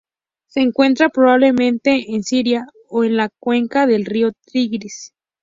Se encuentra, probablemente, en Siria o en la cuenca del río Tigris.